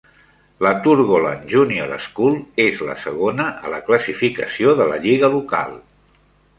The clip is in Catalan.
La Thurgoland Junior School és la segona a la classificació de la lliga local.